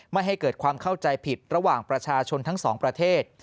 ไม่ให้เกิดความเข้าใจผิดระหว่างประชาชนทั้งสองประเทศ